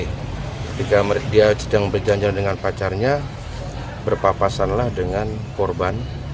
ketika dia sedang berjanjian dengan pacarnya berpapasanlah dengan korban